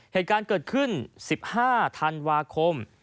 เหตุการณ์เกิดขึ้น๑๕ธันวาคม